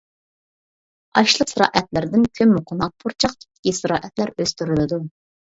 ئاشلىق زىرائەتلىرىدىن كۆممىقوناق، پۇرچاق تىپتىكى زىرائەتلەر ئۆستۈرۈلىدۇ.